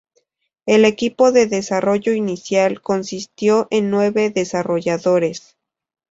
El equipo de desarrollo inicial consistió en nueve desarrolladores.